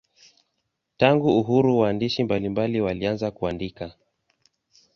Tangu uhuru waandishi mbalimbali walianza kuandika.